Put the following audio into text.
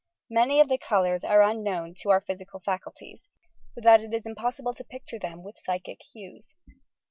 Many of the colours are unknown to our physical faculties, so that it is impos sible to picture them with psychic hues."